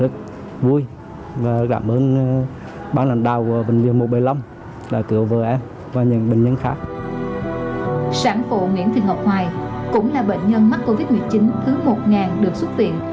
sản phụ nguyễn thị ngọc hoài cũng là bệnh nhân mắc covid một mươi chín thứ một được xuất viện